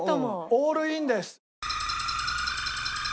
オールインです。